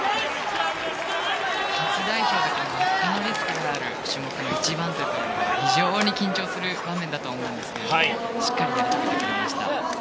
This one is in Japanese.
初代表でリスクのある種目の一番手というのは非常に緊張する場面だと思うんですけどしっかりやり切ってくれました。